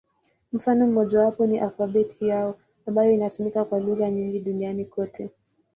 Mfano mmojawapo ni alfabeti yao, ambayo inatumika kwa lugha nyingi duniani kote.